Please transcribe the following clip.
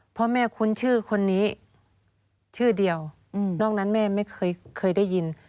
พ่อแม่คุ้นชื่อคนนี้ชื่อเดียวนอกนั้นแม่ไม่เคยได้ยิน